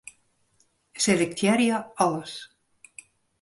Selektearje alles.